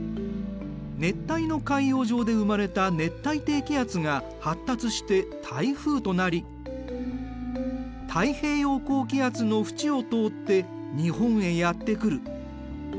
熱帯の海洋上で生まれた熱帯低気圧が発達して台風となり太平洋高気圧の縁を通って日本へやって来る。